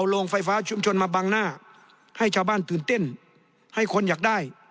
โรงไฟฟ้าชุมชนมาบังหน้าให้ชาวบ้านตื่นเต้นให้คนอยากได้